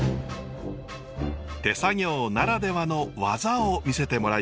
手作業ならではの技を見せてもらいました。